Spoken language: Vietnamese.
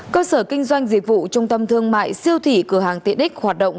cơ sở kinh doanh dịch vụ trung tâm thương mại siêu thủy cửa hàng tnx hoạt động